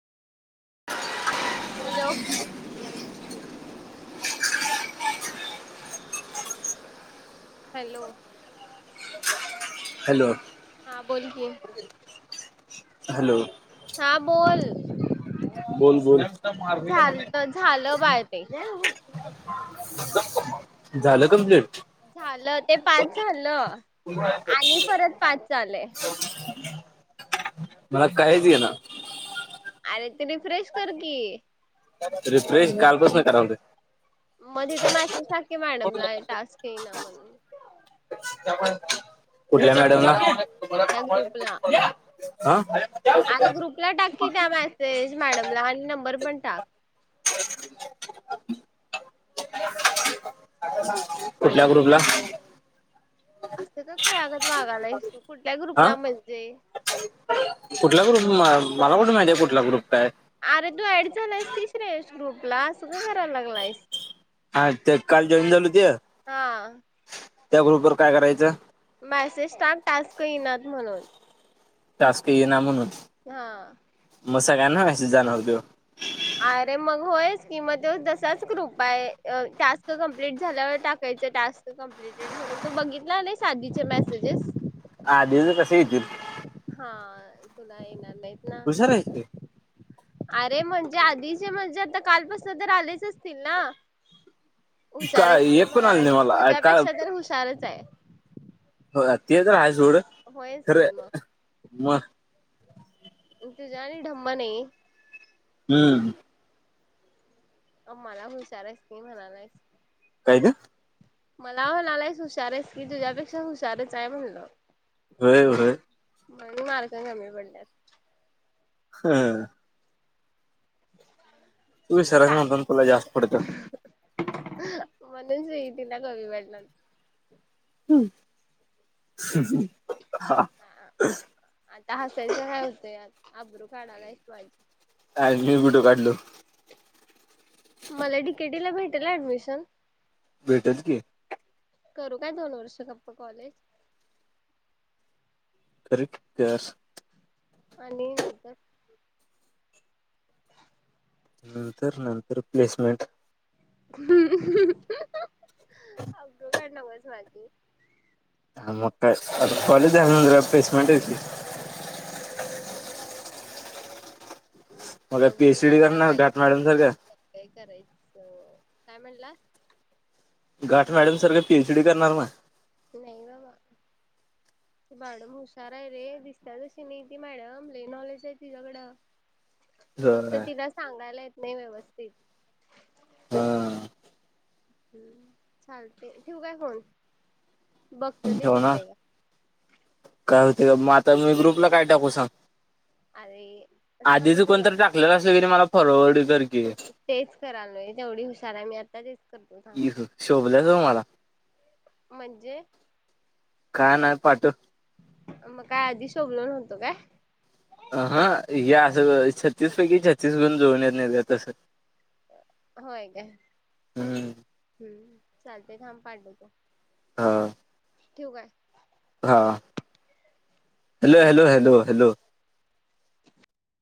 Hello hello hello हा बोलकी hello हां बोल बोल बोल झालतं झालं बाळ ते. झालं कमप्लीट झालं ते पाच झालं आणि परत पाच आलय. मला काहीच येईना अरे ते रिफ्रेश कर की रिफ्रेश कालपासनं कराय लोय. मग तिथं मॅसेज टाक कि मॅडमला टास्क येई ना म्हणून कुठल्या मॅडम ला? त्या ग्रुपला अं अरे ग्रुपला टाक की, त्या मेसेज मॅडमला आणि नंबर पण टाक. [inaudible] कुठल्या ग्रुपला अस का खुळागत वागलायस कुठल्या हा ग्रुपला म्हणजे? कुठला ग्रुप मला कुठ माहिती कुठला ग्रुप काय अरे तू ऍड झाला आहेस की श्रेयश ग्रुपला असं का करायला लागलायस? हा ते काल जॉईन झाल ते हा त्या ग्रुप वर काय करायचं? मॅसेज टाक टास्क येईनात म्हणून टास्क येईना म्हणून, हा म सगळ्यांना मेसेज जाणर तो अरे मग होयच कि म तो तसाच ग्रुप आहे टास्क कमप्लीट झाल्यावर टाकायचं टास्क कम्प्लटेड म्हणून तु बघितला नाहीस आधीचे मेसेजेस आधिच कसं येतील हा तुला येणार नाहीत. ना. हुशार हाईस की, अरे म्हणजे आधीचे म्हणजे आता कालपासून तर आलेच असतील ना? हुशार हाइस काय की, एक पण आलं म्हणालास. नाही मला का तुझ्यापेक्षा तर हुशारचे. होय ते तर आहे सोड. होयच खरे की मग मग मी तुझ्यावानी ढम्म नाही. हम्म. मग मला हुशार हाइस कि म्हणालाइस. काय ते? मला म्हणालाइस हुशारच हाइस की, तुझ्यापेक्षा हुशारच आहे म्हणलं. होय होय. म्हणून मार्क कमी पडल्यात. ह. [unintelligible] तु हुशार हाइस का म्हणतान, तुला जास्त पडत्यात. म्हणून सीइटीला कमी पडल्यात. [unintelligible] आता हसायचं काय होत्या. अब्रू काढालायस माझी. कायन मी कुठ काढलो. मला डीकेटी ला भेटेल ऍडमिशन? भेटेल की, करू काय दोन वर्ष गप्प कॉलेज? [unintelligible] आणि नंतर नंतर नंतर प्लेसमेंट. अब्रू काढू नकोस माझी. आता कॉलेज झाल्यानंतर काय प्लेसमेंटच की. हो. मग काय पी सी डी करणार [unintelligible] मॅडम सारख्या. काय काय करायच? काय म्हणला? घाट मॅडम सारखं पी एच डी करणार ना. नाही बाबा. ती मॅडम हुशार आहे रे. दिसत्या तशी नाही ती मॅडम. लई नॉलेज हाय तिच्या्याकडं. फक्त होय. तिला सांगायला येत नाही व्यवस्थित. ह. हम्म चालतय. ठेवु काय फोन? बघतो फोन ते ठेवनार? होतंय का. काय होते का मग आता मी ग्रुपला काय टाकू सांग? अरे थांब आधीच मी तुला कोणतरी टाकलेलं असल किनी, मला फॉरवर्ड कर की. तेच करालोय. तेवढी हुशार हाय मी. आता तेच, करतो थांब. एक शोभल्यास ह मला. म्हणजे? काय नाय पाठ मग काय आधी शोभलो नव्हतं काय? हा हा, या असं छत्तीसपैकी छत्तीसगुण जुळुन येत नाही ते तसं. होय काय? हम्म हम्म. चालतेय थांब पाठवतू. हा. ठेवू काय? हा. Hello, hello, hello, hello. -.